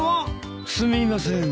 すみません。